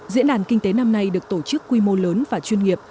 diễn đàn kinh tế năm nay được tổ chức quy mô lớn và chuyên nghiệp